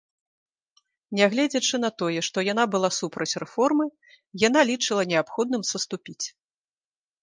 Нягледзячы на тое, што яна была супраць рэформы, яна лічыла неабходным саступіць.